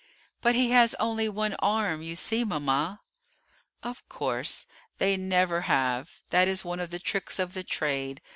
"But he has only one arm, you see, mama." "Of course, they never have; that is one of the tricks of the trade.